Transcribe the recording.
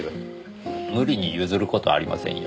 無理に譲る事ありませんよ。